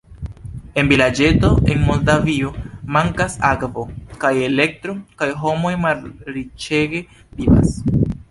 En vilaĝeto en Moldavio mankas akvo kaj elektro kaj homoj malriĉege vivas.